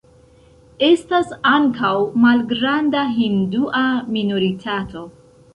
Estas ankaŭ malgranda hindua minoritato.